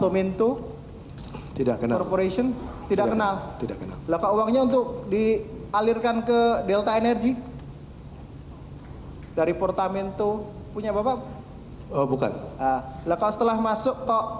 mungkin nanti saya kasih bukti bukti